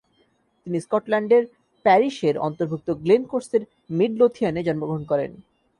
তিনি স্কটল্যান্ডের প্যারিশের অন্তর্ভুক্ত গ্লেনকোর্সের মিড্লোথিয়ানে জন্মগ্রহণ করেন।